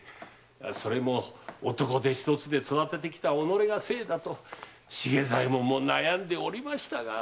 それも男手ひとつで育ててきた己がせいだと茂左衛門も悩んでおりましたが。